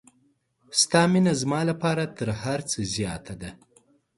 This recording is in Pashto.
ستا مینه زما لپاره تر هر څه زیاته ده.